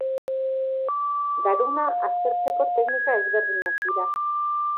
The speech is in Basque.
Garuna aztertzeko teknika ezberdinak dira.